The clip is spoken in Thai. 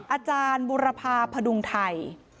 อาจารย์บุรพาพดุงไทย